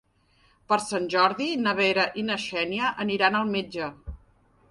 Per Sant Jordi na Vera i na Xènia aniran al metge.